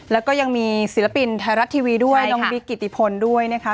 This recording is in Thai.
แล้วก็ยังมีศิลปินไทยรัฐทีวีด้วยน้องบิ๊กกิติพลด้วยนะคะ